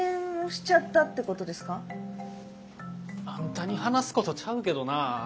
あんたに話すことちゃうけどな。